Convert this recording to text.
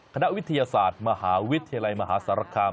คณะวิทยาศาสตร์มหาวิทยาลัยมหาสารคาม